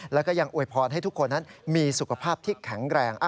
แล้วก็ยังอวยพรให้ทุกคนนั้นมีสุขภาพที่แข็งแรง